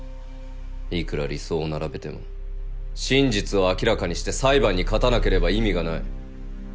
いくら理想を並べても真実を明らかにして裁判に勝たなければ意味がない。